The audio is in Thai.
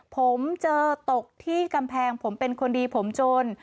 ผมเจอตกที่กำแพงผมเป็นคนดีผมจน